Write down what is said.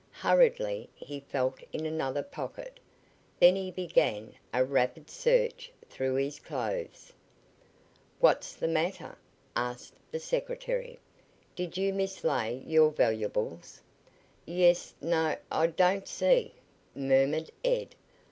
Hurriedly he felt in another pocket. Then he began a rapid search through his clothes. "What's the matter?" asked the secretary. "Did you mislay your valuables?" "Yes no I don't see " murmured Ed.